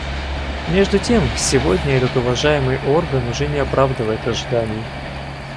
Между тем сегодня этот уважаемый орган уже не оправдывает ожиданий.